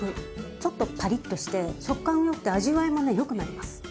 ちょっとパリッとして食感もよくて味わいもねよくなります。